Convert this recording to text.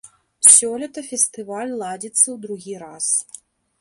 Сёлета фестываль ладзіцца ў другі раз.